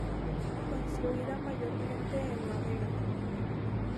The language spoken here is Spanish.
Construida mayormente en madera.